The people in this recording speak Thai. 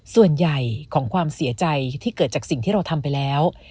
ส่วนใหญ่ของความเสียใจที่เกิดจากสิ่งที่เราทำไปแล้ว